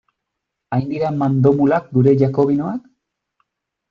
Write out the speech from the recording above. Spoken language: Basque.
Hain dira mandomulak gure jakobinoak?